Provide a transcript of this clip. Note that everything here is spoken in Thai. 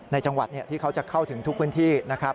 ในจังหวัดที่เขาจะเข้าถึงทุกพื้นที่นะครับ